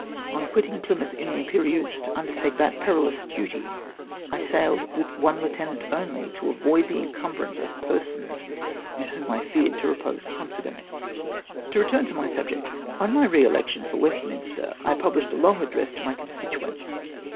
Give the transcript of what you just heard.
On quitting Plymouth in tlie Tiiiperieuse to undertake that perilous MY RE ELECTION FOR WESTMINSTER. 263 duty, I sailed with one lieutenant only, to avoid the encumbrance of persons in whom I feared to repose confidence. To return to my subject. On my re election for Westminster, I pubhslied a long address to my con stituents.